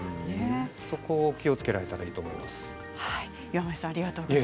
そこを気をつけられた方がいいと思います。